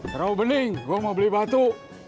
terlalu bening gue mau beli batu